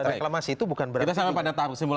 jadi reklamasi itu bukan berarti